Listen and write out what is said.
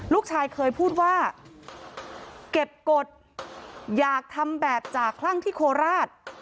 ลูกชายเคยพูดว่าเก็บกฎอยากทำแบบจากคลั่งที่โคราช